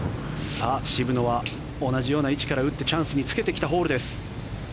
渋野は同じような位置から打ってチャンスにつけてきたホールです